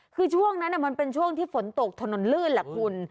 คือช่วงนั้นมันเป็นช่วงที่ฝนตกถนนลื่นแหละคุณ